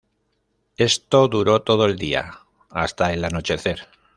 Esto duró todo el día hasta el anochecer.